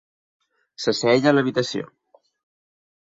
S'asseia a l'habitació.